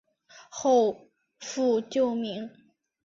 后复旧名。